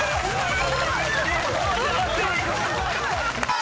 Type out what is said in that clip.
あ！